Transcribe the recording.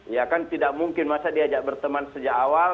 ya kan tidak mungkin masa diajak berteman sejak awal